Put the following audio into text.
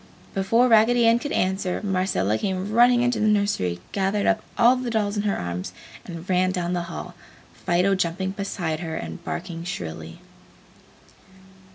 Before Raggedy Ann could answer, Marcella came running into the nursery, gathered up all the dolls in her arms, and ran down the hall, Fido jumping beside her and barking shrilly.